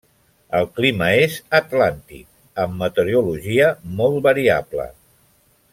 El clima és atlàntic, amb meteorologia molt variable.